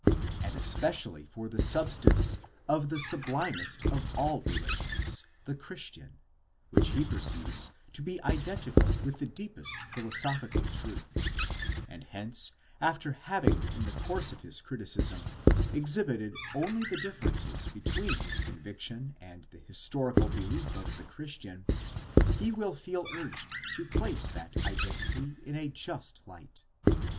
§ 145. and especially for the substance of the sublimest of all religions, the Christian, which he perceives to be identical with the deepest philosophical truth ; and hence, after having in the course of his criticism exhibited only the differences between his conviction and the historical belief of the Christian, he will feel urged to place that identity in a just light.